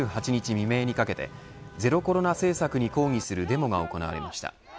未明にかけてゼロコロナ政策に抗議するデモが行われました。